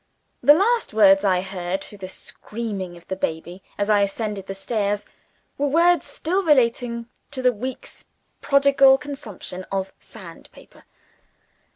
The last words I heard, through the screams of the baby, as I ascended the stairs, were words still relating to the week's prodigal consumption of sandpaper.